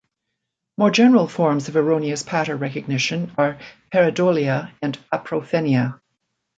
More general forms of erroneous pattern recognition are "pareidolia" and "apophenia".